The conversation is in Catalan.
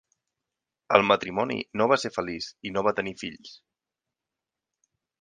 El matrimoni no va ser feliç i no va tenir fills.